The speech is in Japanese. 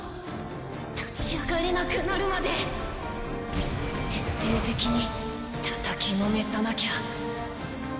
立ち上がれなくなるまで徹底的にたたきのめさなきゃ。